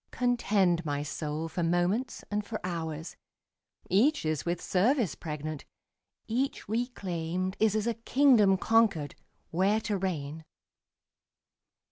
Contend, my soul, for moments and for hours; Each is with service pregnant; each reclaimed Is as a kingdom conquered, where to reign.